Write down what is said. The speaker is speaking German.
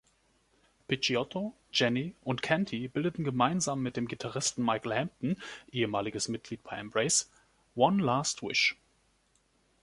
Picciotto, Janney und Canty bildeten gemeinsam mit dem Gitarristen Michael Hampton, ehemaliges Mitglied bei Embrace, One Last Wish.